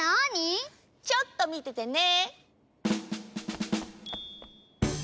ちょっとみててね！